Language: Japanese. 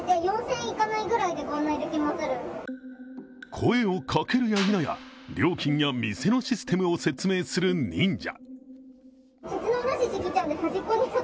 声をかけるや否や、料金や店のシステムを説明する忍者。